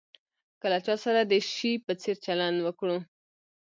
که له چا سره د شي په څېر چلند وکړو.